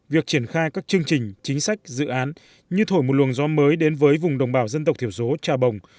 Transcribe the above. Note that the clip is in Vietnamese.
việc triển khai các chương trình chính sách dự án như thổi một luồng gió mới đến với vùng đồng bào dân tộc thiểu số trà bồng